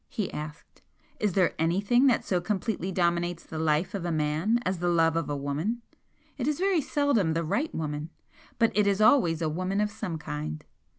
he asked "Is there anything that so completely dominates the life of a man as the love of a woman? It is very seldom the right woman but it is always a woman of some kind.